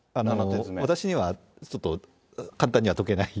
私にはちょっと簡単には解けない。